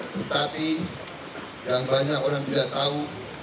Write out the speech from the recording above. tetapi yang banyak orang tidak tahu